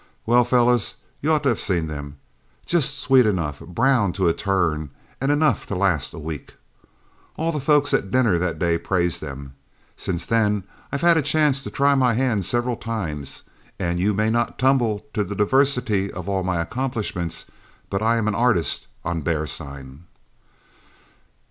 Well, fellows, you ought to have seen them just sweet enough, browned to a turn, and enough to last a week. All the folks at dinner that day praised them. Since then, I've had a chance to try my hand several times, and you may not tumble to the diversity of all my accomplishments, but I'm an artist on bear sign.'